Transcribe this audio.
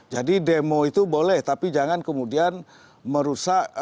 jadi demo itu boleh tapi jangan kemudian merusak umumnya